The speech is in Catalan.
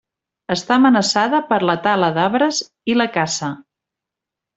Està amenaçada per la tala d'arbres i la caça.